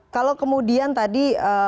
kalau kemudian tadi